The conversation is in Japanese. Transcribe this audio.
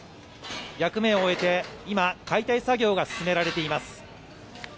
役目を終えて、今解体作業が進められています。